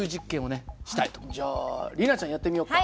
じゃあ里奈ちゃんやってみようか。